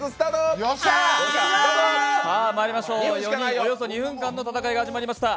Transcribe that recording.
４人、およそ２分間の戦いが始まりました。